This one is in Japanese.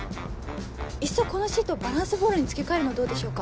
いっそこのシートをバランスボールに付け替えるのどうでしょうか？